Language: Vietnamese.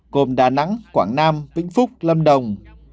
gồm đà nẵng quảng nam vĩnh phúc lâm đồng